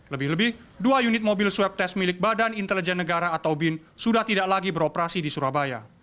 lebih lebih dua unit mobil swab test milik badan intelijen negara atau bin sudah tidak lagi beroperasi di surabaya